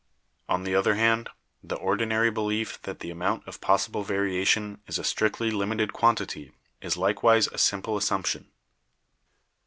On the other hand, the ordinary belief that the amount of possible variation is a strictly limited quan tity is likewise a simple assumption.